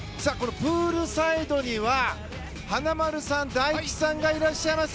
プールサイドには華丸さん大吉さんがいらっしゃいます。